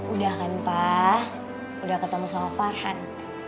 udah kan pak udah ketemu sama farhan